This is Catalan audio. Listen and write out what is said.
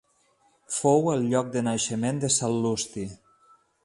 Fou el lloc de naixement de Sal·lusti.